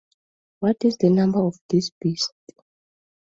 What is the number of this beast?